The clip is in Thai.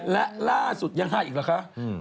และล่าสุดยังหาอีกเหรอคะ